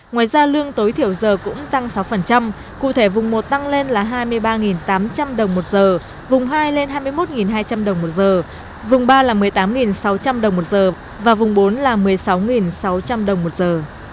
ngoài ra lương tối thiểu giờ cũng tăng sáu cụ thể vùng một tăng lên là hai mươi ba tám trăm linh đồng một giờ vùng hai lên hai mươi một hai trăm linh đồng một giờ vùng ba là một mươi tám sáu trăm linh đồng một giờ và vùng bốn là một mươi sáu sáu trăm linh đồng một giờ